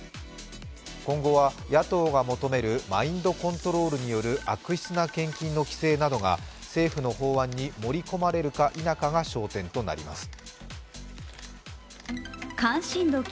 今後は野党が求めるマインドコントロールによる悪質な献金の規制などが政府の法案に盛り込まれるか否かが焦点となります。